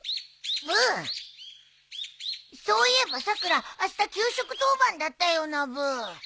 そういえばさくらあした給食当番だったよなブー。